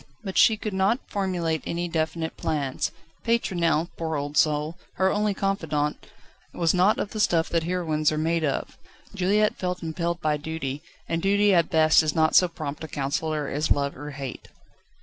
But she could not formulate any definite plans. Pétronelle, poor old soul, her only confidante, was not of the stuff that heroines are made of. Juliette felt impelled by duty, and duty at best is not so prompt a counsellor as love or hate.